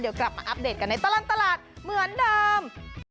เดี๋ยวกลับมาอัปเดตกันในตลอดตลาดเหมือนเดิม